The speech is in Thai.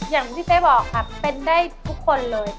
อย่างที่เจ๊บอกค่ะเป็นได้ทุกคนเลย